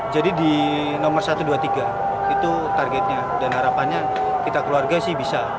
jadi di nomor satu dua tiga itu targetnya dan harapannya kita keluarga sih bisa